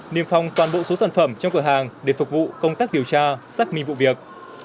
niêm phong toàn bộ số sản phẩm trong cửa hàng để phục vụ công tác điều tra xác minh vụ việc